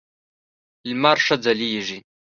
لمر ښه ځلېږي .